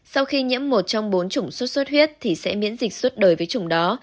sau khi nhiễm một trong bốn chủng suốt suốt huyết thì sẽ miễn dịch suốt đời với chủng đó